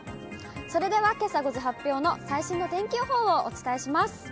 それではけさ５時発表の最新の天気予報をお伝えします。